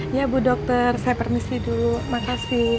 iya ibu dokter saya permisi dulu terima kasih